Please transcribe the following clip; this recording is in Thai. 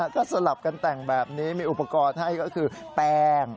ก็สลับกันแต่งแบบนี้มีอุปกรณ์ให้ก็คือแป้ง